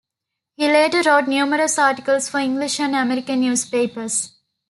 He later wrote numerous articles for English and American newspapers.